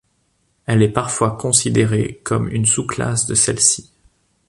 Elle est parfois considérée comme une sous-classe de celle-ci.